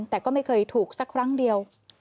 แต่ก็ไม่เคยถูกสักครั้งเดียว